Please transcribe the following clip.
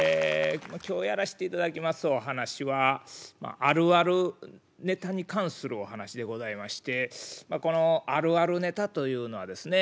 今日やらしていただきますお噺はあるあるネタに関するお噺でございましてまあこのあるあるネタというのはですね